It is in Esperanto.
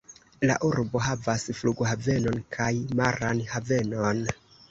La urbo havas flughavenon kaj maran havenon.